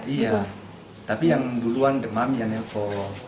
iya tapi yang duluan demam ya nelpo